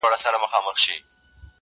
o دسترخان ته مه گوره، تندي ته ئې گوره!